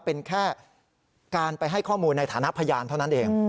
เป็นแค่การไปให้ข้อมูลในฐานะพยานเท่านั้นเอง